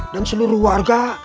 dan seluruh warga